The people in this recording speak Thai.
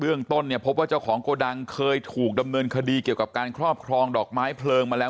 เรื่องต้นเนี่ยพบว่าเจ้าของโกดังเคยถูกดำเนินคดีเกี่ยวกับการครอบครองดอกไม้เพลิงมาแล้ว